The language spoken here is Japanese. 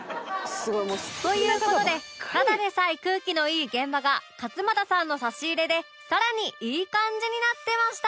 という事でただでさえ空気のいい現場が勝俣さんの差し入れで更にいい感じになってました！